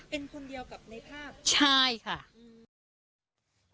เป็นคนเดียวกับในภาพใช่ค่ะอืม